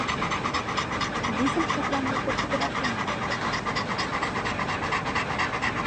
Визымше планете путырак оҥай ыле.